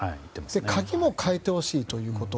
鍵も変えてほしいということ。